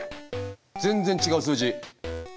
全然違う数字。